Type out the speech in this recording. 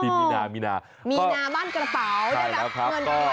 มีนาบ้านกระเป๋าได้รับเงินรางวัลดิ